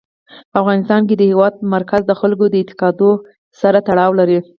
په افغانستان کې د هېواد مرکز د خلکو د اعتقاداتو سره تړاو لري.